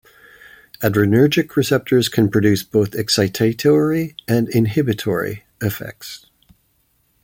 Adrenergic receptors can produce both excitatory and inhibitory effects.